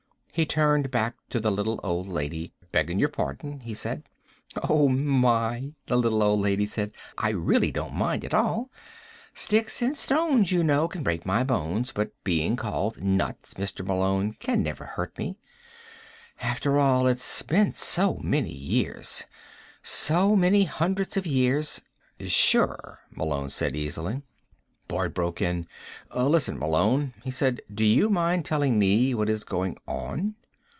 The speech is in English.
He turned back to the little old lady. "Begging your pardon," he said. "Oh, my," the little old lady said. "I really don't mind at all. Sticks and stones, you know, can break my bones. But being called nuts, Mr. Malone, can never hurt me. After all, it's been so many years so many hundreds of years " "Sure," Malone said easily. Boyd broke in. "Listen, Malone," he said, "do you mind telling me what is going on?"